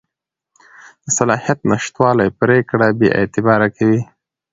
د صلاحیت نشتوالی پرېکړه بېاعتباره کوي.